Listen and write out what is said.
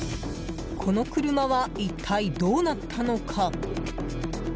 この車は、一体どうなったのか。